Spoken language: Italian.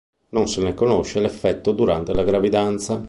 Non se ne conosce l'effetto durante la gravidanza.